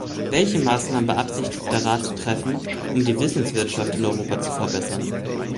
Welche Maßnahmen beabsichtigt der Rat zu treffen, um die Wissenswirtschaft in Europa zu verbessern?